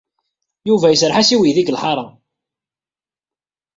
Yuba iserreḥ-as i uydi deg lḥaṛa.